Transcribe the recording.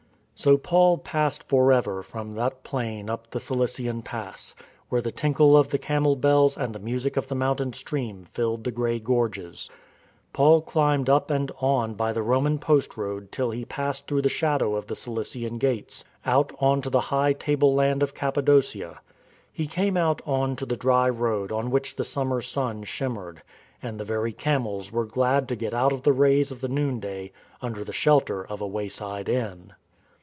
So Paul passed for ever from that plain up the Cilician Pass, where the tinkle of the camel bells and the music of the mountain stream filled the grey gorges. Paul climbed up and on by the Roman post road till he passed through the shadow of the Cilician Gates, out on to the high tableland of Cappadocia. He came out on to the dry road on which the sum mer sun shimmered, and the very camels were glad to get out of the rays of the noonday under the shelter of a wayside inn.